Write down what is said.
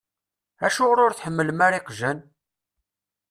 Acuɣer ur tḥemmlem ara iqjan?